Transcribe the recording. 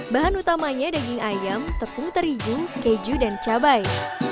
bahan utamanya daging ayam tepung terigu keju dan cabai